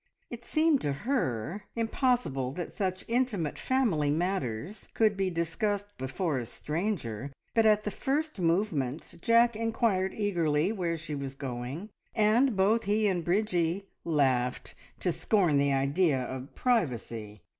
It seemed to her impossible that such intimate family affairs could be discussed before a stranger, but at the first movement Jack inquired eagerly where she was going, and both he and Bridgie laughed to scorn the idea of privacy.